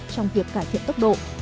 trong việc cải thiện tốc độ